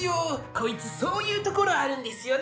こいつそういうところあるんですよね。